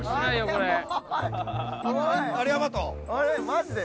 マジで？